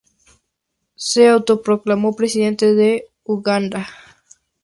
Se autoproclamó Presidente de Uganda.